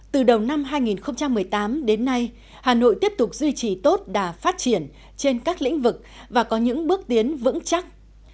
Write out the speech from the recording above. từ đầu năm hai nghìn một mươi tám đến nay hà nội tiếp tục duy trì tốt đà phát triển trên các lĩnh vực và có những bước tiến vững chắc